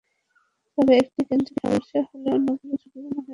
তবে একটি কেন্দ্রে সমস্যা হলে অন্যগুলোও ঝুঁকিপূর্ণ হয়ে পড়ে, এটা বুঝি।